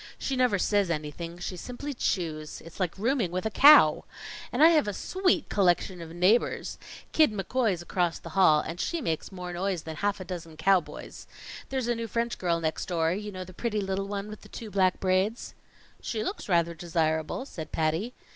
She never says anything; she simply chews. It's like rooming with a cow. And I have a sweet collection of neighbors! Kid McCoy's across the hall, and she makes more noise than half a dozen cowboys. There's a new French girl next door you know, the pretty little one with the two black braids." "She looks rather desirable," said Patty.